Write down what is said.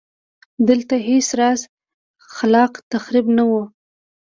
دلته هېڅ راز خلاق تخریب نه و.